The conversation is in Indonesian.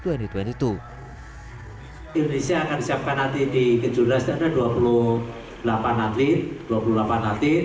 indonesia akan disiapkan nanti di kejuaraan setelah dua puluh delapan atlet